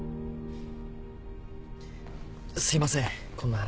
すいませんこんな話。